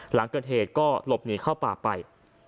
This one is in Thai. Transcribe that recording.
หลังเกิดเหตุก็หลบหนีเข้าป่าไป